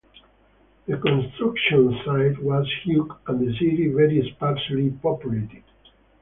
The construction site was huge and the city very sparsely populated.